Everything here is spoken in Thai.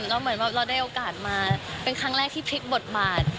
แล้วเหมือนเราได้โอกาสมาเป็นครั้งแรกที่พลิกบทบาท